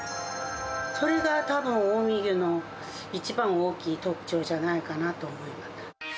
それがたぶん、近江牛の一番大きい特徴じゃないかなと思います。